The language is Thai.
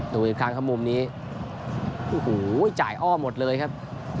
ดูอีกครั้งครับมุมนี้โอ้โหจ่ายอ้อหมดเลยครับ